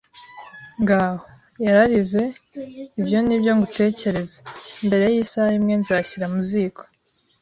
“Ngaho!” yararize. “Ibyo ni byo ngutekereza. Mbere yisaha imwe, nzashyira mu ziko